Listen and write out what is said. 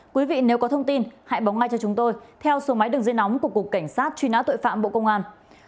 quý vị nếu có thông tin hãy báo ngay cho chúng tôi theo số máy đường dây nóng của cục cảnh sát truy nã tội phạm bộ công an